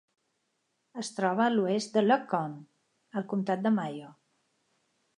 Es troba a l'oest de Lough Conn al comtat de Mayo.